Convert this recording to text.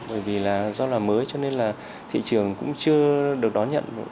bởi vì là do là mới cho nên là thị trường cũng chưa được đón nhận